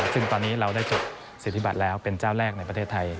ซึ่งตอนนี้เราได้จดสิทธิบัตรแล้วเป็นเจ้าแรกในประเทศไทย